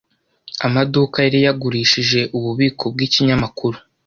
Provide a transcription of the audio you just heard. Amaduka yari yagurishije ububiko bwikinyamakuru.